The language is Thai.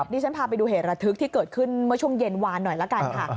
ฉันพาไปดูเหตุระทึกที่เกิดขึ้นเมื่อช่วงเย็นวานหน่อยละกันค่ะ